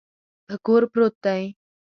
په کور پروت دی.